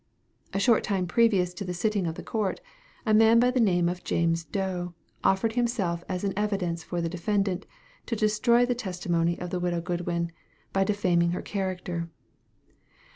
A short time previous to the sitting of the court, a man by the name of James Doe, offered himself as an evidence for the defendant to destroy the testimony of the widow Goodwin, by defaming her character.